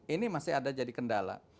ini masih ada jadi kendala